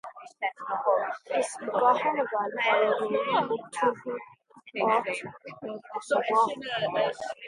Is i gcathair na Gaillimhe a rugadh Ó Tuathail, áit arbh as a mháthair.